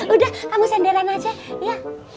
udah kamu senderan aja iya